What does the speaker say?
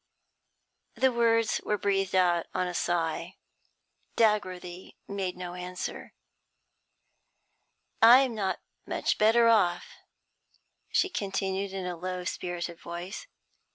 The words were breathed out on a sigh. Dagworthy made no answer. 'I'm not much better off,' she continued, in a low spirited voice.